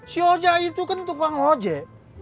si oja itu kan tukang ojek